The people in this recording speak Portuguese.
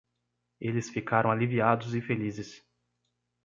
Eles ficaram aliviados e felizes.